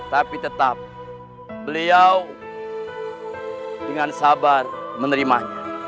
tapi tetap beliau dengan sabar menerimanya